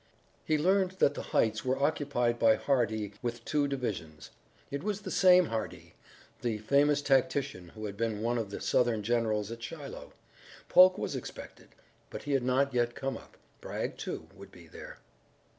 He learned that the heights were occupied by Hardee with two divisions. It was the same Hardee, the famous tactician who had been one of the Southern generals at Shiloh. Polk was expected, but he had not yet come up. Bragg, too, would be there.